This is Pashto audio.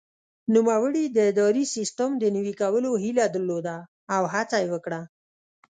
نوموړي د اداري سیسټم د نوي کولو هیله درلوده او هڅه یې وکړه.